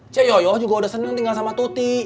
cek yoyo juga udah seneng tinggal sama tuti